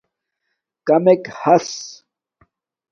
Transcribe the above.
کمک ہس